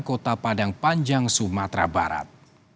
kota padang panjang sumatera barat